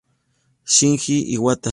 Shinji Iwata